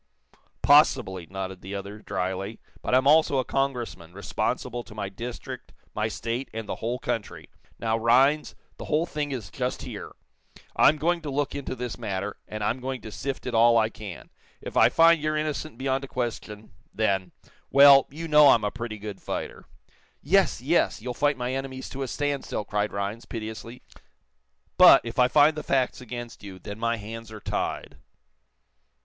"Possibly," nodded the other, dryly. "But I'm also a Congressman, responsible to my district, my state and the whole country. Now, Rhinds, the whole thing is just here. I'm going to look into this matter, and I'm going to sift it all I can. If I find you're innocent beyond a question then well, you know I'm a pretty good fighter." "Yes, yes; you'll fight my enemies to a standstill," cried Rhinds, piteously. "But, if I find the facts against you, then my hands are tied."